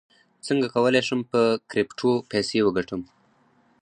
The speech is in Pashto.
څنګه کولی شم په کریپټو پیسې وګټم